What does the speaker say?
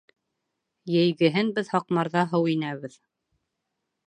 Йәйгеһен беҙ һаҡмарҙа һыу инәбеҙ